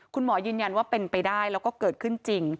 คุณหมอยืนยันว่าเป็นไปได้แล้วก็เกิดขึ้นจริง